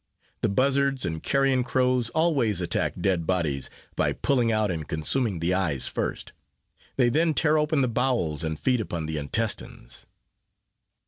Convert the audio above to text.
The buzzards and carrion crows, always attack dead bodies by pulling out and consuming the eyes first. They then tear open the bowels, and feed upon the intestines.